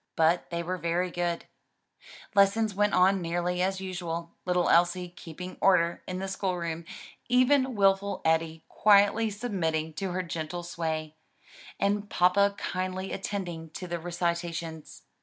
But they were very good; lessons went on nearly as usual, little Elsie keeping order in the school room, even wilful Eddie quietly submitting to her gentle sway, and grandpa kindly attending to the recitations.